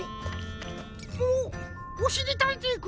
おっおしりたんていくん。